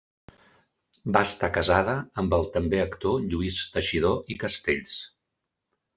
Va estar casada amb el també actor Lluís Teixidor i Castells.